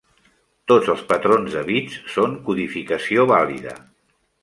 Tots els patrons de bits són codificació vàlida.